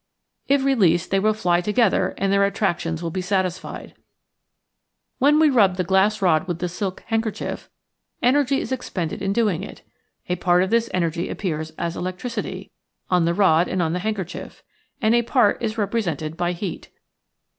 If released they will fly together and their attractions will be satisfied. When we rub the glass rod with the silk handkerchief, energy is expended in doing it. A part of this energy appears as electricity, on the rod and on the handker chief, and a part is represented by heat.